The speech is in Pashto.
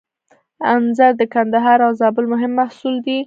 انځر د کندهار او زابل مهم محصول دی.